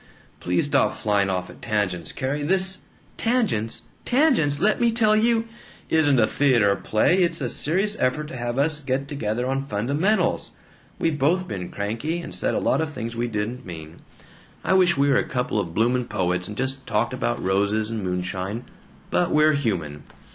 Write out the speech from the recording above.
"Please stop flying off at tangents, Carrie. This " "Tangents? TANGENTS! Let me tell you "" isn't a theater play; it's a serious effort to have us get together on fundamentals. We've both been cranky, and said a lot of things we didn't mean. I wish we were a couple o' bloomin' poets and just talked about roses and moonshine, but we're human.